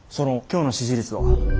今日の支持率は？